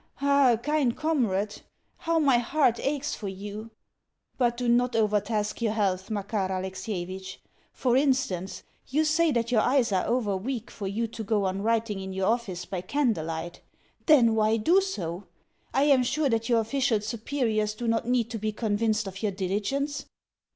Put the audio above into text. Ah, kind comrade, how my heart aches for you! But do not overtask your health, Makar Alexievitch. For instance, you say that your eyes are over weak for you to go on writing in your office by candle light. Then why do so? I am sure that your official superiors do not need to be convinced of your diligence!